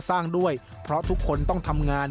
สร้างด้วยเพราะทุกคนต้องทำงาน